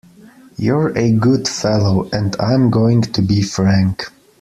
You’re a good fellow, and I’m going to be frank.